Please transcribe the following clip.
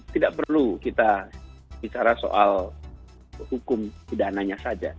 tidak perlu kita bicara soal hukum pidana nya saja